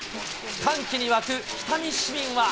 歓喜に沸く北見市民は。